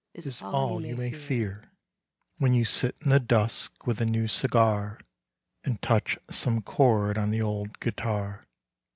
A sigh or a tear Is all you may fear When you sit in the dusk with a new cigar, And touch some chord on the old guitar.